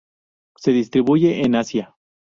Se distribuye en Asia.